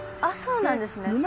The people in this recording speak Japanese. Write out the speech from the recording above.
あそうなんですね。